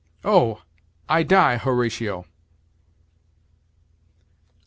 "Oh! I die, Horatio."